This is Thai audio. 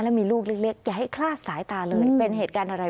แล้วมีลูกเล็กอย่าให้คลาดสายตาเลยเป็นเหตุการณ์อะไร